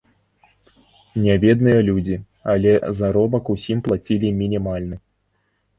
Нябедныя людзі, але заробак усім плацілі мінімальны.